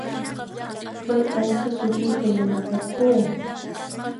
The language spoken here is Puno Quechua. Kay aycha kuchuyta yanaparqukuway